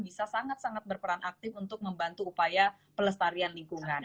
bisa sangat sangat berperan aktif untuk membantu upaya pelestarian lingkungan